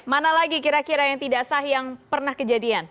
mana lagi kira kira yang tidak sah yang pernah kejadian